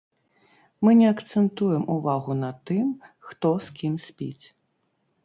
Мы не акцэнтуем увагу на тым, хто з кім спіць.